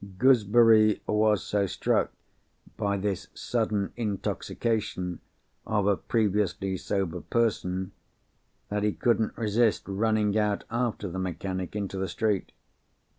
Gooseberry was so struck by this sudden intoxication of a previously sober person, that he couldn't resist running out after the mechanic into the street.